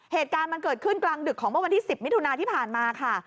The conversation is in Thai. เหตุการณ์มันเกิดขึ้นกลางดึกของเมื่อวันที่๑๐มิถุนาที่ผ่านมาค่ะ